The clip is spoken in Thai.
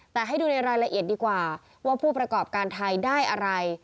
แต่ให้ดูในรายละเอียดดีกว่าว่าผู้ประกอบการไทยได้อะไร